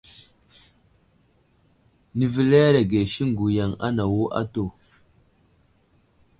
Nəveleerege siŋgu yaŋ anawo atu.